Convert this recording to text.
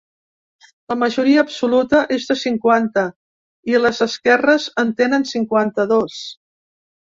La majoria absoluta és de cinquanta i les esquerres en tenen cinquanta-dos.